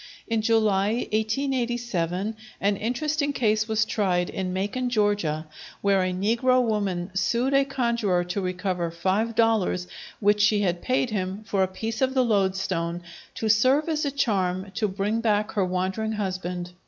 In July, 1887, an interesting case was tried in Macon, Georgia, where a negro woman sued a conjuror to recover five dollars which she had paid him for a piece of loadstone to serve as a charm to bring back her wandering husband.